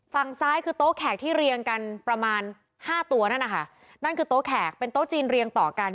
ฝั่งซ้ายคือโต๊ะแขกที่เรียงกันประมาณห้าตัวนั่นนะคะนั่นคือโต๊ะแขกเป็นโต๊ะจีนเรียงต่อกัน